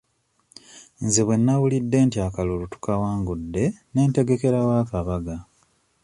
Nze bwe nnawulidde nti akalulu tukawangudde n'entegekerawo akabaga.